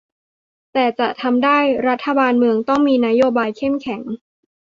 แต่จะทำได้ รัฐบาลเมืองต้องมีนโยบายเข้มแข็ง